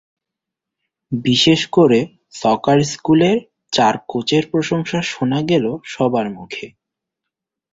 বিশেষ করে সকার স্কুলের চার কোচের প্রশংসা শোনা গেল সবার মুখে।